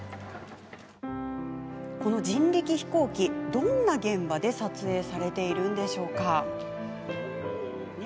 人力飛行機は、どんな現場で撮影されているのでしょうか？